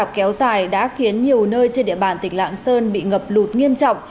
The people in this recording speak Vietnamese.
kéo dài đã khiến nhiều nơi trên địa bàn tỉnh lạng sơn bị ngập lụt nghiêm trọng